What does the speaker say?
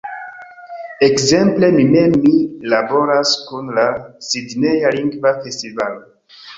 Ekzemple, mi mem, mi laboras kun la Sidneja Lingva Festivalo.